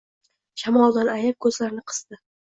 shamoldan ayab, ko‘zlarini qisdi.